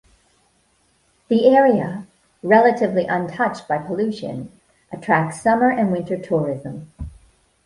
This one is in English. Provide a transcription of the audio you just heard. The area, relatively untouched by pollution, attracts summer and winter tourism.